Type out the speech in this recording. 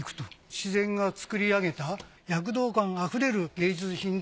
自然が作り上げた躍動感あふれる芸術品。